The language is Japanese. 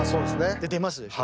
って出ますでしょ。